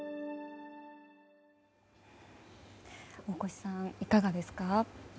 大越さん、いかがですか。